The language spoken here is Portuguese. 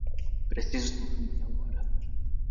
Preciso tomar um banho agora.